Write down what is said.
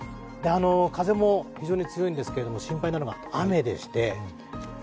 風も非常に強いんですけれども心配なのが雨でして。